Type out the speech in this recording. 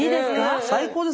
最高です。